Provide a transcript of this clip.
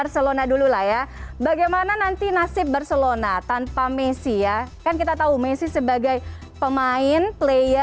selamat malam tiffany